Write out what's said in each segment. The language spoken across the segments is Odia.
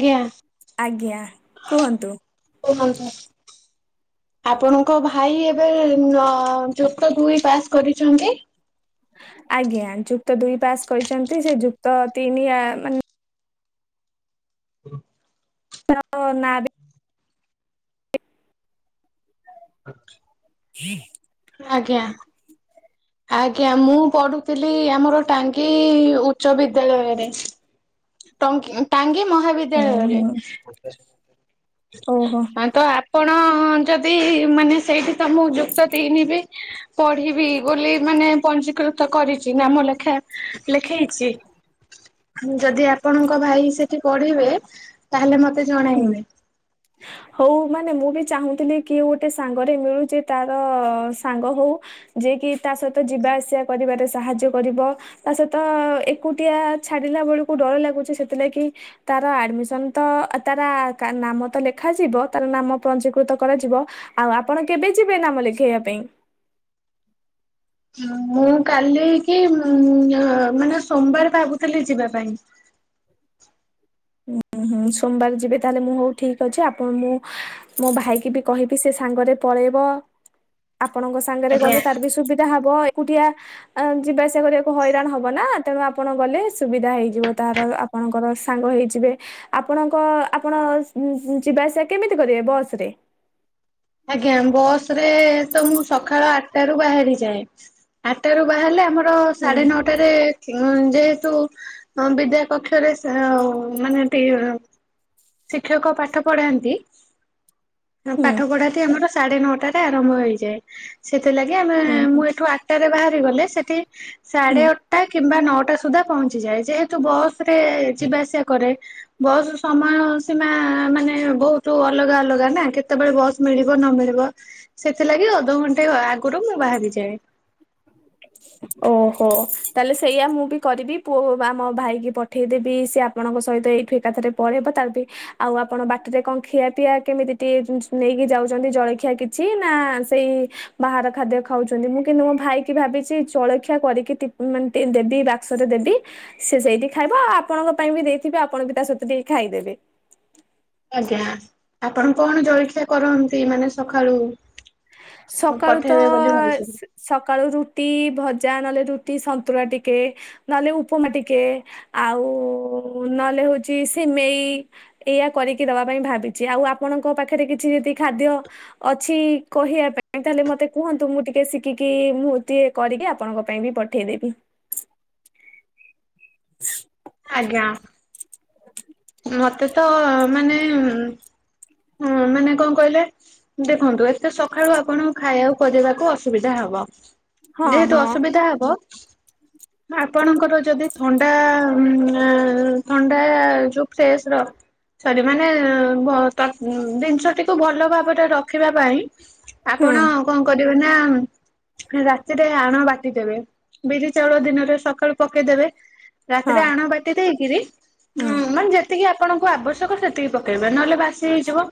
ଆଜ୍ଞା। ଆଜ୍ଞା କୁହନ୍ତୁ। [unintelligible] ଆପଣଙ୍କ ଭାଇ ଏବେ ଅଁ ଯୁକ୍ତ ଦୁଇ ପାସ୍ କରିଚନ୍ତି? ଆଜ୍ଞା ଯୁକ୍ତ ଦୁଇ ପାସ୍ କରିଚନ୍ତି ସେ ଯୁକ୍ତ ତିନି ଆ ମାନେ [inaudible] [inaudible] [inaudible] [inaudible] ଆଜ୍ଞା। ଆଜ୍ଞା ମୁଁ ପଢୁଥିଲି ଆମର ଟାଙ୍ଗି ଉଚ୍ଚ ବିଦ୍ୟାଳୟରେ। ଟଙ୍ଗି ଟାଙ୍ଗି ହୁଁ ମହାବିଦ୍ୟାଳୟରେ। ହୁଁ ଓହୋ। ହଁ ତ ଆପଣ ଯଦି ମାନେ ସେଇଠି ତ ମୁଁ ଯୁକ୍ତ ତିନି ବି ପଢିବି। ବୋଲି ମାନେ ପଞ୍ଜୀକୃତ କରିଛି ନାମ ଲେଖା ଲେଖେଇଛି। ଯଦି ଆପଣଙ୍କ ଭାଇ ସେଠି ପଢିବେ ତାହେଲେ ମତେ ହୁଁ ଜଣାଇବେ। [inaudible] ହଉ ମାନେ ମୁଁ ବି ଚାହୁଁଥିଲି କିଏ ଗୋଟେ ସାଙ୍ଗରେ ମିଳୁଛି ତାର ସାଙ୍ଗ ହଉ। ଯିଏ କିି ତା ସହିତ ଯିବା ଆସିବା କରିବାରେ ସାହାଯ୍ୟ କରିବ। ଆ ସେତ ଏକୁଟିଆ ଛାଡିଲା ବେଳକୁ ଡର ଲାଗୁଛି ସେଥିଲାଗି ତାର ଆଡମିସନ ତ ଆ ତାର ଆ କା ନାମ ତ ଲେଖାଯିବ ତାର ନାମ ପଞ୍ଜୀକୃତ କରାଯିବ। ଆଉ ଆପଣ କେବେ ଯିବେ ନାମ ଲେଖେଇବା ପାଇଁ। ହ ମୁଁ କାଲି କି ମ ନ ମାନେ ସୋମବାର ଭାବୁଥିଲି ଯିବା ପାଇଁ। ଉଁ ହୁଁ ସୋମବାର ଯିବେ ତାହେଲେ ମୁଁ ହଉ ଠିକ ଅଛି ଆପଣ ମୁଁ ମୋ ଭାଇକି ବି କହିବି ସେ ସାଙ୍ଗରେ ପଳେଇବ ଆପଣଙ୍କ ସାଙ୍ଗରେ ଆଜ୍ଞା। ଗଲେ ତାର ବି ସୁବି ତଧା ହବ ଏକୁଟିଆ ଆ ଯିବା ଆସିଆ କରିବାକୁ ହଇରାଣ ହବ ନା ତେଣୁ ଆପଣ ଗଲେ ସୁବିଧା ହେଇଯିବ ତାର ଆପଣଙ୍କର ସାଙ୍ଗ ହେଇ ଯିବେ ଆପଣଙ୍କ ଆପଣ ସ ସ ଯିବା ଆସିବା କେମିତି କରିବେ ବସ ରେ ଆଜ୍ଞା ବସ ରେ ତ ମୁଁ ସକାଳ ଆଟା ରୁ ବାହାରିଯାଏ। ଆଠରୁ ବାହାରିଲେ ଆମ ର ହୁଁ ସାଢେ ନଅଟାରେ ଅ ଯେହେତୁ ହଁ ବିଦ୍ୟା କକ୍ଷରେ ସ ଆଉ ମାନେ [unintelligible] ଶିକ୍ଷକ ପାଠ ପଢାନ୍ତି, ହଁ ହୁଁ ପାଠ ପଢା ନ୍ତି ଆମର ସାଢେ ନଅଟାରେ ଆରମ୍ଭ ହେଇଯାଏ। ସେଥିଲାଗି ଆମେ ଉଁ ହୁଁ। ଠୁ ଆଠଟା ରେ ବାହାରି ଗଲେ ସେଠି ହୁଁ ସାଢେ ଅ ଟା କିମ୍ବା ନଅଟା ସୁଦ୍ଧା ପହଞ୍ଚିଯାଏ ଯେହେତୁ ବସ ରେ ଯିବା ଆସିବା କରେ। ବସ୍ ସମୟ ସୀମା ମାନେ ବହୁତ ଅଲଗା ଅଲଗା ନା କେତେବେଳେ ବସ୍ ମିଳିବ ନ ମିଳିବ। ସେଥିଲାଗି ଅଧଘଣ୍ଟେ ଆଗରୁ ମୁଁ ବାହାରିଯାଏ। ଓହୋ ତାହେଲେ ସେଇଆ ମୁଁ ବି କରିବି। ପୁଅ ବା ମୋ ଭାଇକି ପଠେଇଦେବି ସେ ଆ ଆପଣଙ୍କ ସହିତ ଏଇଠୁ ଏକାଥରେ ପଳେଇବ ତାର ବି ଆଉ ଆପଣ ବାଟିରେ କଣ ଖିଆ ପିଆ କେମିତି ଟି ଉଁ ନେଇକି ଯାଉଛନ୍ତି ଜଳଖିଆ କିଛି ନା ସେଇ ବାହାର ଖାଦ୍ୟ ଖାଉଛନ୍ତି। ମୁଁ କିନ୍ତୁ ମୋ ଭାଇ କି ଭାବି ଛି ଜଳଖିଆ କରିକି ଟି ମାନେ ଦେବି ବାକ୍ସରେ ଦେବି। ସେ ସେଇଠି ଖାଇବ ଆଉ ଆପଣଙ୍କ ପାଇଁ ବି ଦେଇଥିବି ଆପଣ ବି ତା ସହିତ ଟିକେ ଖାଇଦେବେ। ଆଜ୍ଞା। ଆପଣ କଣ ଜଳଖିଆ କରନ୍ତି ମାନେ ସକାଳୁ? ସକାଳୁ ତ ପଠେଇବେ ବୋଲି ଭାବିଛନ୍ତି ସ ସକାଳୁ ରୁଟି ଭଜା ନହେଲେ ରୁଟି ସନ୍ତୁଳା ଟିକେ। ନହେଲେ ଉପମା ଟିକେ, ଆଉ ନହେଲେ ହଉଛି ସିମେଇ। ଏଇଆ କରିକି ଦବା ପାଇଁ ଭାବିଛି ଆଉ ଆପଣଙ୍କ ପାଖରେ କିଛି ଯଦି ଖାଦ୍ୟ ଅଛି କହିଆ [unintelligible] ତାହେଲେ ମତେ କୁହନ୍ତୁ ମୁଁ ଟିକେ ଶିଖିକି ମୁଁ ଟିକେ କରିକି ଆପଣଙ୍କ ପାଇଁ ବି ପଠେଇଦେବି। ଆଜ୍ଞା। ମତେ ତ ମାନେ ଉଁ ମାନେ କଣ କହିଲେ? ଦେଖନ୍ତୁ ଏତେ ସକାଳୁ ଆପଣଙ୍କୁ ଖାଇବାକୁ କରିବାକୁ ଅସୁବିଧା ହେବ। ହଁ ଯେହେତୁ ହଁ ଅସୁବିଧା ହେବ ଆପଣଙ୍କର ଯଦି ଥଣ୍ଡା ଉଁ ଏଁ ଥଣ୍ଡା ଯୋଉ ଫ୍ରେଶ ର ସରି ମାନେ ଭ ତ ଜିନିଷଟିକୁ ଭଲ ଭାବରେ ରଖିବା ପାଇଁ ହୁଁ ଆପଣ କଣ କରିବେ ନା ରାତିରେ ଆଣ ବାଟିଦେବେ। ବିରି ଚାଉଳ ଦିନରେ ସକାଳୁ ପକେଇଦେବେ। ହଁ ରାତିରେ ଆଣ ବାଟି ଦେଇକିରି ହୁଁ ଉଁ ମାନେ ଯେ ଯେତିକି ଆପଣଙ୍କୁ ଆବଶ୍ୟକ ସେତିକି ପକେଇବେ ନହେଲେ ବାସି ହେଇଯିବ।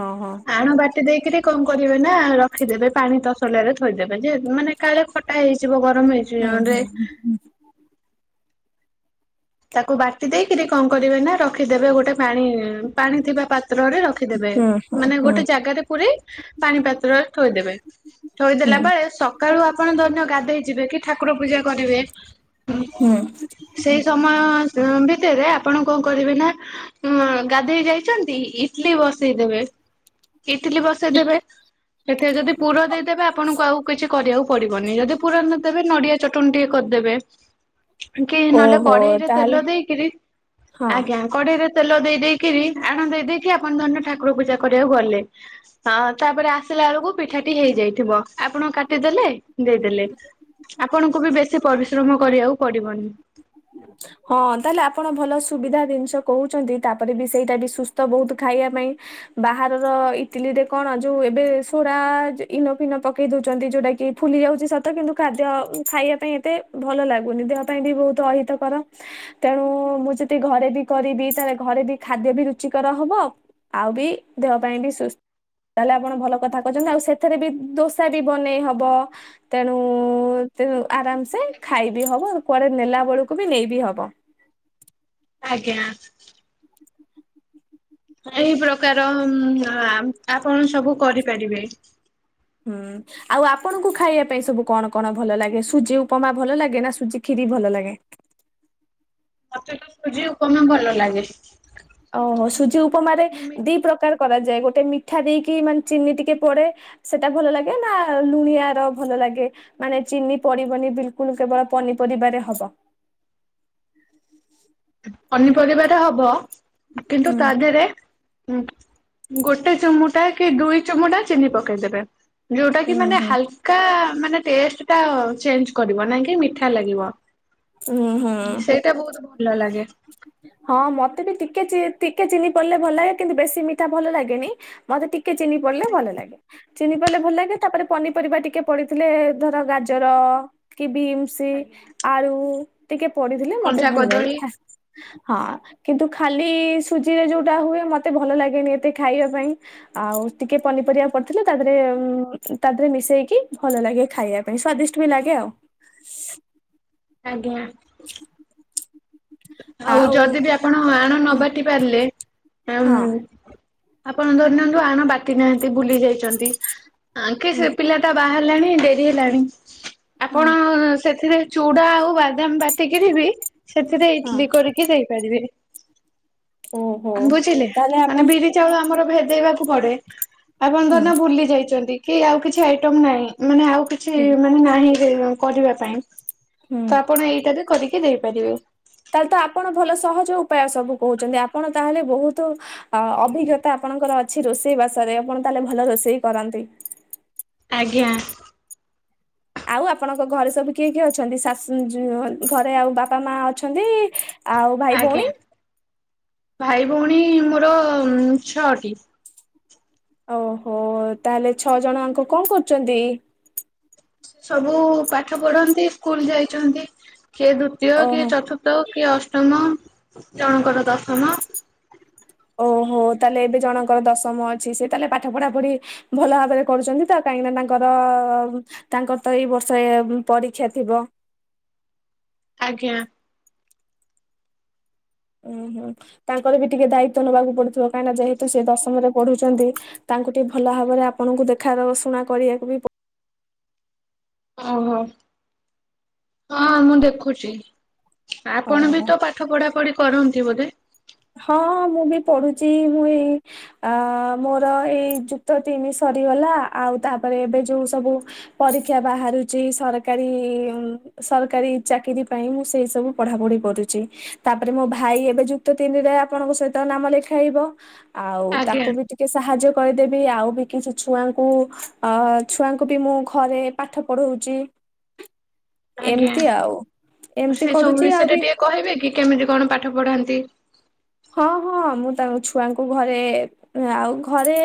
ଓହୋ। ଆଣ ବାଟି ଦେଇକିରି କଣ କରିବେ ନା ରଖିଦେବେ ପାଣି ତସଲାରେ ଥୋଇଦେବେ ଯେ ମାନେ କାଳେ ଖଟା ହେଇଯିବ ଗରମ ହେଇଚି ହୁଁ ହୁଁ ଜୋରରେ। ତାକୁ ବାଟି ଦେଇକିରି କଣ କରିବେ ନା ରଖିଦେବେ ଗୋଟେ ପାଣି ପାଣି ଥିବା ପା ତ୍ର ରେ ରଖିଦେବେ ହୁଁ ହୁଁ ମାନେ ହୁଁ ଗୋଟେ ଜାଗା ରେ ପୁରେଇ ପାଣି ପାତ୍ର ରେ ଥୋଇଦେବେ। ହୁଁ ଥୋଇଦେଲା ପରେ ସକାଳୁ ଆପଣ ଧରି ନିଅ ଗାଧେଇ ଯିବେ କି ଠାକୁର ପୂଜା କରିବେ। ହୁଁ। ସେଇ ସମୟ ଉଁ ଭିତରେ ଆପଣ କଣ କରିବେ ନା ଉଁ ଗାଧେଇ ଯାଇଛନ୍ତି ଇଟଲିି ବସେଇ ଦେବେ, ଇଟଲିି ବସେଇଦେବେ ସେଥିରେ ଯଦି ପୁର ଦେଇଦେବେ ଆପଣଙ୍କୁ ଆଉ କିଛି କରିବାକୁ ପଡିବନି ଯଦି ପୁର ନଦେବେ ନଡିଆ ଚଟ୍ ଟନି ଟିକେ କରିଦେବେ କି ନହେଲେ ଓହୋ କଢେଇରେ ତାହେଲେ ତେଲ ଦେଇକରି ହଁ ଆଜ୍ଞା କଢେଇରେ ତେଲ ଦେଇ ଦେଇକିରି ଆଣ ଦେଇ ଦେଇକି ଆପଣ ଧରି ନିଅ ଠାକୁର ପୂଜା କରିବାକୁ ଗଲେ। ହ ତାପରେ ଆସିଲା ବେଳକୁ ପିଠାଟି ହେଇଯାଇଥିବ ଆପଣ କାଟିଦେଲେ ଦେଇଦେଲେ। ଆପଣଙ୍କୁ ବି ବେଶୀ ପରିଶ୍ରମ କରିବାକୁ ପଡିବନି। ଆ ହଁ ତାହେଲେ ଆପଣ ଭଲ ସୁବିଧା ଜିନିଷ କହୁଛନ୍ତି ତାପରେ ବି ସେଇଟା ବି ସୁସ୍ଥ ବହୁତ ଖାଇବା ପାଇଁ। ବାହାରର ଇଟିଲି ରେ କଣ ଯୋଉ ଏବେ ସୋଡା ଇନୋ ଫିନୋ ପକେଇ ଦଉଛନ୍ତି ଯୋଉଟା କି ଫୁଲି ଯାଉଛି ସତ କିନ୍ତୁ ଖାଦ୍ୟ ଖାଇବା ପାଇଁ ଏତେ ଭଲ ଲାଗୁନି ଦେହ ପାଇଁ ବି ବହୁତ ଅହିତ। କର ତେଣୁ ମୁଁ ଯଦି ଘରେ ବି କରିବି ତାହେଲେ ଘରେ ବି ଖାଦ୍ୟ ବି ରୁଚିକର ହବ। ଆଉ ବି ଦେହ ପାଇଁ ବି ସୁସ୍। ତାହେଲେ ଆପଣ ଭଲ କଥା କହିଁଛନ୍ତି ଆଉ ସେଥିରେ ବି ଦୋସା ବି ବନେଇ ହବ। ତେଣୁ ତେଣୁ ଆରାମ ସେ ଖାଇବି ହବ କୁଆଡେ ନେଲା ବେଳକୁ ବି ନେଇବି ହବ। ଆଜ୍ଞା। ଏଇ ପ୍ରକାର ଆପଣ ସବୁ କରିପାରିବେ। ହୁଁ। ଆଉ ଆପଣଙ୍କୁ ଖାଇବା ପାଇଁ ସବୁ କଣ କଣ ଭଲ ଲାଗେ ସୁଜି ଉପମା ଭଲ ଲାଗେ ନା ସୁଜି ଖିରି ଭଲ ଲାଗେ? ମତେ ତ ସୁଝି ଉପମା ଭଲ ଲାଗେ। ଓହୋ ସୁଜି ଉପମାରେ ମି ଦି ପ୍ରକାର କରାଯାଏ ଗୋଟେ ମିଠା ଦେଇକି ମାନେ ଚିନି ଟିକେ ପଡେ ସେଟା ଭଲ ଲାଗେ ନା ଲୁଣିଆ ର ଭଲ ଲାଗେ? ମାନେ ଚିନି ପଡିବନି ବିଲକୁଲ କେବଳ ପନିପରିବାରେ ହବ। ପନିପରିବାରେ ହବ କିନ୍ତୁ ହୁଁ ତା ଦେହରେ ହଁ ଗୋଟେ ଚୁମୁଟାଏ କି ଦୁଇ ଚୁମୁଟା ଚିନି ପକେଇଦେବେ। ଯୋଉଟା କି ହୁଁ ମାନେ ହୁଁ। ହାଲକା ମାନେ ଟେଷ୍ଟ ଟା ଚେଞ୍ଜ କରିବ ନାଇଁ କି ମିଠା ଲାଗିବ। ହୁଁ ହୁଁ। ଏଟା ବହୁତ ଭଲ ଲାଗେ। ହଁ ମତେ ବି ଟିକେ ଚି ଟିକେ ଚିନି ପଇଲେ ଭଲ ଲାଗେ କିନ୍ତୁ ବେଶୀ ମିଠା ଭଲ ଲାଗେନି। ମତେ ଟିକେ ଚିନି ପଡିଲେ ଭଲ ଲାଗେ। ଚିନି ପଇଲେ ଭଲ ଲାଗେ ତାପରେ ପନିପରିବା ଟିକେ ପଡିଥିଲେ ଧର ଗାଜର କି ବିମ୍ ସି ଆଳୁ ଟିକେ ପଡିଥିଲେ ମତେ କଞ୍ଚା ଭଲ ଲାଗେ। କଦଳୀ ହଁ କିନ୍ତୁ ଖାଲି ସୁଜିରେ ଯୋଉଟା ହୁଏ ମତେ ଭଲ ଲାଗେନି ଏତେ ଖାଇବା ପାଇଁ। ଆଉ ଟିକେ ପନିପରିବା ପଡିଥିଲେ ତା ଦେହରେ ତା ଦେହରେ ମିଶେଇକି ଭଲ ଲାଗେ ଖାଇବାକୁ। ପାଇଁ ସ୍ଵାଦିଷ୍ଟ ବି ଲାଗେ ଆଉ। ଆଜ୍ଞା। ଆଉ ଯଦି ବି ଆପଣ ଆଣ ନ ହୁଁ ବାଟି ପାରିଲେ ହଁ। ଉଁ ଆପଣ ଧରି ନିଅନ୍ତୁ ଆଣ ବାଟି ନାହାନ୍ତି ଭୁଲି ଯାଇଛନ୍ତି କି ହୁଁ ସେ ପିଲା ତା ବାହାରିଲାଣି ଡେରି ହେଲାଣି ହୁଁ ଆପଣ ସେଥିରେ ଚୁଡା ଆଉ ବାଦାମ ବାଟିକିରି ବି ସେଥିରେ ହଁ ଇଟଲି କରିକି ଦେଇପାରିବେ। ଓହୋ ବୁଝିଲେ ତାହେଲେ ଆପଣ ମାନେ ବିରି ଚାଉଳ ଆମର ଭେଦେଇବାକୁ ପଡେ ଆପଣଙ୍କ ହୁଁ ଧରି ନିଅ ଭୁଲି ଯାଇଛନ୍ତି କି ଆଉ କିଛି ଆଇଟମ ନାହିଁ ମାନେ ଆଉ କିଛି ହୁଁ ମାନେ ନାହିଁ କରିବା ପାଇଁ ହୁଁ। ତ ଆପଣ ଏଇଟାବି କରିକି ଦେଇପାରିବ। ତାହେଲେ ତ ଆପଣ ଭଲ ସହଜ ଉପାୟ ସବୁ କହୁଛନ୍ତି ଆପଣ ତାହେଲେ ବହୁତ ଅ ଅଭିଜ୍ଞତା ଆପଣଙ୍କର ଅଛି ରୋଷେଇ ବାସରେ ଆପଣ ତାହେଲେ ଭଲ ରୋଷେଇ କରନ୍ତି। ଆଜ୍ଞା। ଆଉ ଆପଣଙ୍କ ଘରେ ସବୁ କିଏ କିଏ ଅଛନ୍ତି ଶାଶୁ ଝିଅ ଘରେ ଆଉ ବାପା ମା ଅଛନ୍ତି? ଆଉ ଭାଇ ଆଜ୍ଞା ଭଉଣୀ ଭାଇ ଭଉଣୀ ମୋର ଉଁ ଛଅଟି। ଓ ହୋ ତାହେଲେ ଛଅଜଣ ଆଙ୍କ କଣ କରୁଚନ୍ତି? ସେ ସବୁ ପାଠ ପଢନ୍ତି ସ୍କୁଲ ଯାଇଚନ୍ତି କିଏ ଦୁତୀୟ କିଏ ଓହୋ ଚଥୁ ତ କିଏ ଅଷ୍ଟମ ଜଣଙ୍କର ଦଶମ। ଓ ହୋ ତାହେଲେ ଏବେ ଜଣଙ୍କର ଦଶମ ଅଛି ସେ ତାହେଲେ ପାଠ ପଢା ପଢି ଭଲ ଭାବରେ କରୁଚନ୍ତି ତ କାଇଁକିନା ତାଙ୍କର ତାଙ୍କର ତ ଏଇ ବର୍ଷା ଏ ପରୀକ୍ଷା ଥିବ। ଆଜ୍ଞା। ଉଁ ହୁଁ ତାଙ୍କର ବି ଟିକେ ଦାୟିତ୍ୱ ନବାକୁ ପଡୁଥିବ କାହିଁକି ନା ଯେହେତୁ ସେ ଦଶମରେ ପଢୁଛନ୍ତି। ତାଙ୍କୁ ଟିକେ ଭଲ ଭାବରେ ଆପଣଙ୍କୁ ଦେଖାର ଶୁଣା କରିଆକୁ ବି ପ ଓ ହୋ ହଁ ମୁଁ ଦେଖୁଚି। ଆପଣ ଓହୋ ବି ତ ପାଠ ପଢା ପଢି କରନ୍ତି ବୋଧେ। ହଁ ମୁଁ ବି ପଢୁଚି ମୁଁ ଏଇ ଆ ମୋର ଏଇ ଯୁକ୍ତ ତିନି ସରିଗଲା ଆଉ ତାପରେ ଏବେ ଯୋଉ ସବୁ ପରୀକ୍ଷା ବାହାରୁଚି ସରକାରୀ ଉଁ ସରକାରୀ ଚାକିରି ପାଇଁ ମୁଁ ସେଇ ସବୁ ପଢା ପଢି କରୁଚି ତାପରେ ମୋ ଭାଇ ଏବେ ଯୋ ଯୁକ୍ତ ତିନିରେ ଆପଣଙ୍କ ସହିତ ନାମ ଲେଖାଇବ ଆଉ ଆଜ୍ଞା ତାକୁ ବି ଟିକେ ସାହାଯ୍ୟ କରିଦେବି ଆଉ ବି କିଛି ଛୁଆଙ୍କୁ ଅ ଛୁଆଙ୍କୁ ବି ମୁଁ ଘରେ ପାଠ ପଢଉଚି ଆଜ୍ଞା ଏମତି ଆଉ ଏମତି ସେ ସବୁ କରୁଚି ଆଉ ବିଷୟରେ ବି ଟିକେ କହିବେ କି କେମିତି କଣ ପାଠ ପଢ଼ାନ୍ତି? ହଁ ହଁ ମୁଁ ତାଙ୍କ ଛୁଆଙ୍କୁ ଘରେ ଆଉ ଘରେ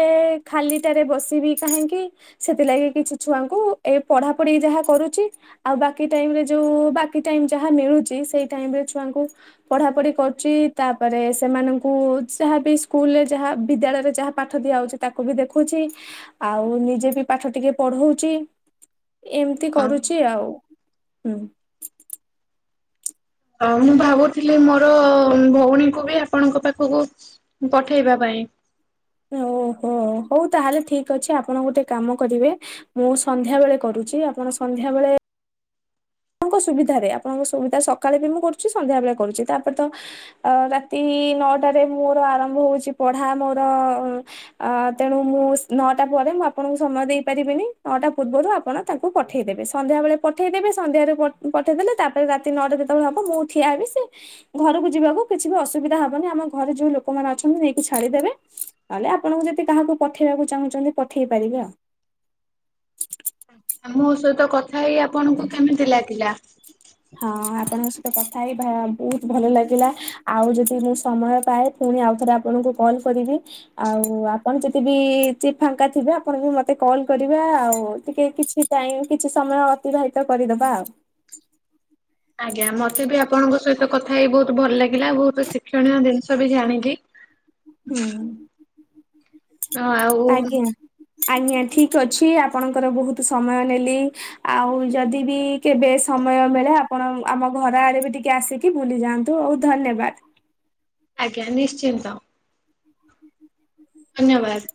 ଖାଲିଟାରେ ବସିବି କାହିଁକି। ସେଥିଲାଗି କିଛି ଛୁଆଙ୍କୁ ଏ ପଢା ପଢି ଯାହା କରୁଚି। ଆଉ ବାକି ଟାଇମ୍ ରେ ଯୋଉ ବାକି ଟାଇମ୍ ଯାହା ମିଳୁଚି ସେଇ ଟାଇମ୍ ରେ ଛୁଆଙ୍କୁ ପଢା ପଢି କରୁଚି ତା ପରେ ସେମାନଙ୍କୁ ଯାହା ବି ସ୍କୁଲରେ ଯାହା ବିଦ୍ୟାଳୟରେ ଯାହା ପାଠ ଦିଆ ହଉଚି ତାକୁ ବି ଦେଖୁଚି। ଆଉ ନିଜେ ବି ପାଠ ଟିକେ ପଢଉଚି। ଏମତି ହଁ କରୁଚି ଆଉ ହୁଁ। ଆଉ ମୁଁ ଭାବୁଥିଲି ମୋର ଭଉଣୀଙ୍କୁ ବି ଆପଣଙ୍କ ପାଖୁକୁ ପଠେଇବା ପାଇଁ। ଓ ହୋ ହଉ ତାହେଲେ ଠିକ୍ ଅଛି ଆପଣ ଗୋଟେ କାମ କରିବେ। ମୁଁ ସନ୍ଧ୍ୟାବେଳେ କରୁଚି ଆପଣ ସନ୍ଧ୍ୟାବେଳେ ଆପଣଙ୍କ ସୁବିଧାରେ ଆପଣଙ୍କ ସୁବିଧା ସକାଳେ ବି ମୁଁ କରୁଚି ସନ୍ଧ୍ୟାବେଳେ କରୁଚି ତାପରେ ତ ଅ ରାତି ନଅଟାରେ ମୋର ଆରମ୍ଭ ହଉଚି ପଢା ମୋର ଆ ତେଣୁ ମୁଁ ନଅଟା ପରେ ମୁଁ ଆପଣଙ୍କୁ ସମୟ ଦେଇପାରିବିନି ନଅଟା ପୂର୍ବରୁ ଆପଣ ତାଙ୍କୁ ପଠେଇଦେବେ ସନ୍ଧ୍ୟାବେଳେ ପଠେଇଦେବେ ସନ୍ଧ୍ୟାରେ ପ-ପଠେଇଦେଲେ ତାପରେ ରାତି ନଅଟା ଯେତବଳେ ହବ ମୁଁ ଠିଆ ହେବି ସେ ଘରୁକୁ ଯିବାକୁ କିଛି ବି ଅସୁବିଧା ହବନି ଆମ ଘରେ ଯୋଉ ଲୋକମାନେ ଅଛନ୍ତି ନେଇକି ଛାଡିଦେବେ। ତାହେଲେ ଆପଣଙ୍କୁ ଯଦି କାହାକୁ ପଠେଇବାକୁ ଚାହୁଁଚନ୍ତି ପଠେଇ ପାରିବେ ଆଉ। ଉଁ ଆଉ ମୋ ସହିତ କଥା ହେଇ ଆପଣଙ୍କୁ କେମିତି ଲାଗିଲା? ହଁ ଆପଣଙ୍କ ସହିତ କଥା ହେଇ ଭା ବହୁତ ଭଲ ଲାଗିଲା ଆଉ ଯଦି ମୁଁ ସମୟ ପାଏ ପୁଣି ଆଉ ଥରେ ଆପଣଙ୍କୁ କଲ୍ କରିବି। ଆଉ ଆପଣ ଯଦି ବି ଚି ଫାଙ୍କା ଥିବେ ଆପଣ ବି ମତେ କଲ୍ କରିବେ ଆଉ ଟିକେ କିଛି ଟାଇମ୍ କିଛି ସମୟ ଅତିବାହିତ କରିଦବା ଆଉ। ଆଜ୍ଞା ମତେ ବି ଆପଣଙ୍କ ସହି ତ କଥା ହେଇ ବହୁତ ଭଲ ଲାଗିଲା ବହୁତ ଶିକ୍ଷଣୀୟ ଜିନିଷ ବି ଜାଣିିଲି। ହୁଁ ହଁ ଆଉ ଆଜ୍ଞା। ଆଜ୍ଞା ଠିକ ଅଛି ଆପଣଙ୍କର ବହୁତ ସମୟ ନେଲି। ଆଉ ଯଦି ବି କେବେ ସମୟ ମିଳେ ଆପଣ ଆମ ଘର ଆଡେ ବି ଟିକେ ଆସି ବୁଲି ଯାଆନ୍ତୁ ହଉ ଧନ୍ୟବାଦ। ଆଜ୍ଞା ନିଶ୍ଚିନ୍ତ। ହ ଧନ୍ୟବାଦ।